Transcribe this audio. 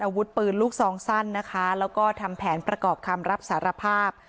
อาวุธปืนลูกซองสั้นนะคะแล้วก็ทำแผนประกอบคำรับสารภาพ